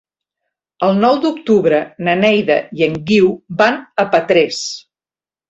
El nou d'octubre na Neida i en Guiu van a Petrés.